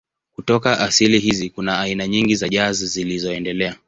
Kutoka asili hizi kuna aina nyingi za jazz zilizoendelea.